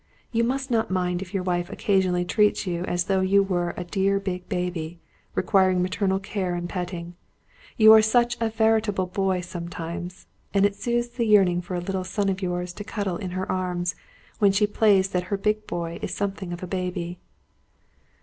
You must not mind if your wife occasionally treats you as though you were a dear big baby, requiring maternal care and petting. You are such a veritable boy sometimes, and it soothes the yearning for a little son of yours to cuddle in her arms, when she plays that her big boy is something of a baby."